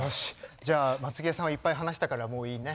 じゃあ松重さんはいっぱい話したからもういいね。